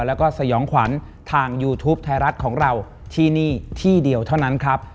แล้วก็สยองขวัญทางยูทูปไทยรัฐของเราที่นี่ที่เดียวเท่านั้นครับ